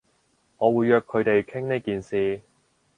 我會約佢哋傾呢件事